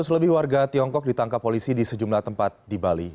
seratus lebih warga tiongkok ditangkap polisi di sejumlah tempat di bali